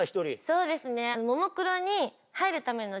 そうですね。